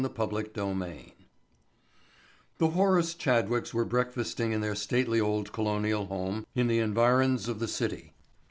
Chapter Fifteen The Horace Chadwicks were breakfasting in their stately old colonial home in the environs of the city.